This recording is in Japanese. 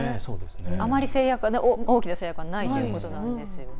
あまり大きな制約はないということなんですよね。